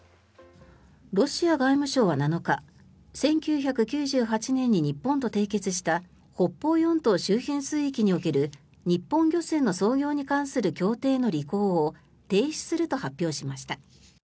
ロシア外務省は７日１９９８年に日本と締結した北方四島周辺水域における日本漁船の操業に関する協定の履行を停止すると発表しました。